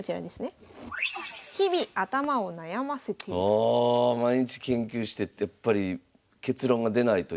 ああ毎日研究しててやっぱり結論が出ないというか。